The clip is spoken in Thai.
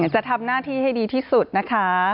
จะทำหน้าที่ให้ดีที่สุดนะคะ